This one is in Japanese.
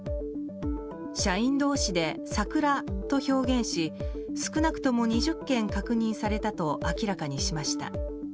社員同士でサクラと表現し少なくとも２０件確認されたと明らかにしました。